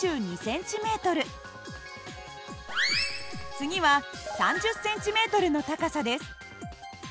次は３０ｃｍの高さです。